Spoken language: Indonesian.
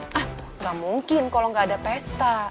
hah nggak mungkin kalau nggak ada pesta